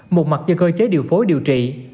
một mặt do cơ chế điều phối điều trị